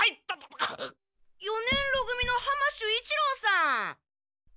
四年ろ組の浜守一郎さん！